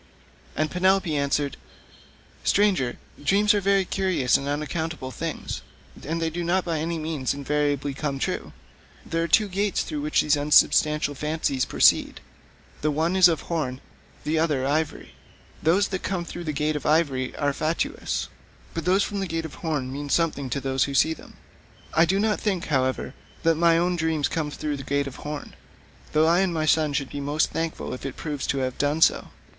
And Penelope answered, "Stranger, dreams are very curious and unaccountable things, and they do not by any means invariably come true. There are two gates through which these unsubstantial fancies proceed; the one is of horn, and the other ivory. Those that come through the gate of ivory are fatuous, but those from the gate of horn mean something to those that see them. I do not think, however, that my own dream came through the gate of horn, though I and my son should be most thankful if it proves to have done so.